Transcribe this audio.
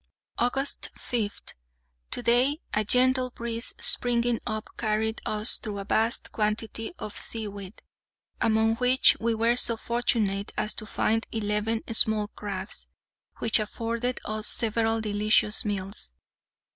August 5. To day, a gentle breeze springing up carried us through a vast quantity of seaweed, among which we were so fortunate as to find eleven small crabs, which afforded us several delicious meals.